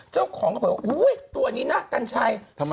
เจ้าของเขาบอกว่าอุ๊ยตัวนี้น่ากัญชัย